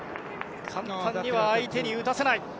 簡単には相手に打たせない。